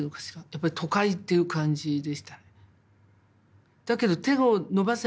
やっぱり都会っていう感じでした。